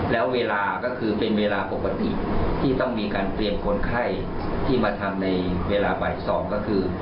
แล้วเวลาก็คือเป็นเวลาปกติที่ต้องมีการเตรียมคนไข้ที่มาทำในเวลาบ่าย๒ก็คือ